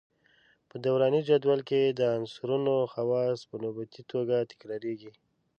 په دوراني جدول کې د عنصرونو خواص په نوبتي توګه تکراریږي.